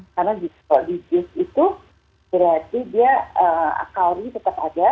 karena kalau di jus itu berarti dia kalori tetap ada